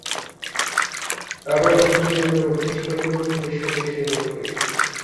আবার এখন যেরূপ অভ্যাস করিব, ভবিষ্যতে সেইরূপ হইবে।